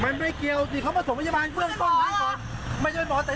มันไม่เกี่ยวสิเขามาส่งพยาบาลเบื้องต้นม๊ะ